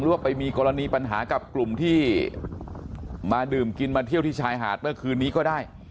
ว่าไปมีกรณีปัญหากับกลุ่มที่มาดื่มกินมาเที่ยวที่ชายหาดเมื่อคืนนี้ก็ได้